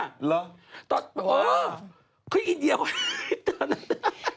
หรือตอนนั้นเออคืออินเดียค่ะตอนนั้น